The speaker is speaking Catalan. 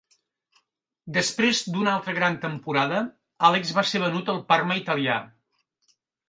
Després d'una altra gran temporada, Alex va ser venut al Parma italià.